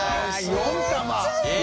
４玉？